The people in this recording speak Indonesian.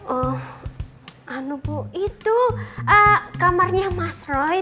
oh bu itu kamarnya mas roy